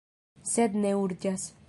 Sed ne urĝas.